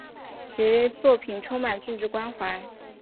其作品充满政治关怀。